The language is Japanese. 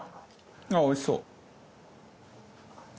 ああおいしそう。